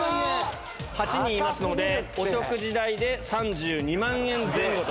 ８人いますので、お食事代で３２万円前後と。